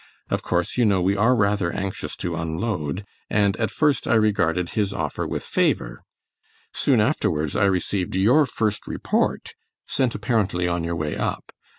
Of course you know we are rather anxious to unload, and at first I regarded his offer with favor. Soon afterwards I received your first report, sent apparently on your way up.